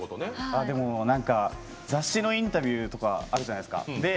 でも、雑誌のインタビューとかあるじゃないですか。